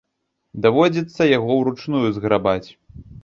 Даводзіцца яго ўручную зграбаць.